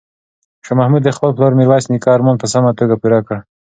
شاه محمود د خپل پلار میرویس نیکه ارمان په سمه توګه پوره کړ.